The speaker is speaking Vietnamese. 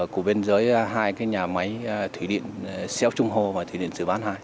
của bên dưới hai cái nhà máy thủy điện xeo trung hô và thủy điện sửa bán hai